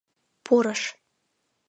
— Пурыш...